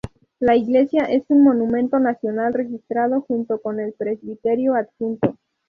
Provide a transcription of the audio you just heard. La iglesia es un monumento nacional registrado junto con el presbiterio adjunto.